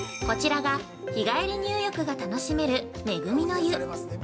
こちらが日帰り入浴が楽しめる「恵みの湯」。